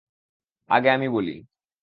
আগে আমি বলি।